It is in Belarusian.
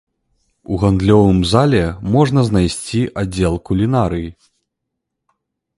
У гандлёвым зале можна знайсці аддзел кулінарыі.